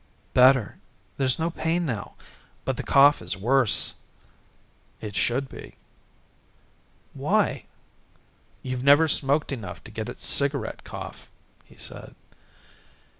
"Better. There's no pain now. But the cough is worse." "It should be." "Why?" "You've never smoked enough to get a cigarette cough," he said.